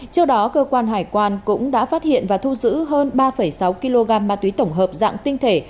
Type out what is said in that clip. trước đó cơ quan hải quan cũng đã phát hiện và thu giữ hơn ba sáu kg ma túy tổng hợp dạng tinh thể